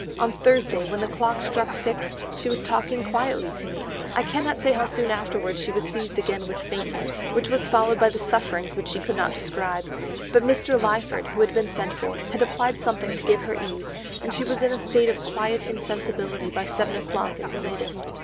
On Thursday, when the clock struck six, she was talking quietly to me. I cannot say how soon afterwards she was seized again with faintness, which was followed by the sufferings which she could not describe, but Mr. Lyford who had been sent for, had applied something to give her ease, and she was in a state of quiet insensibility by seven o'clock at the latest.